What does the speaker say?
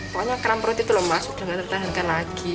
pokoknya keram perut itu loh masuk udah nggak tertahankan lagi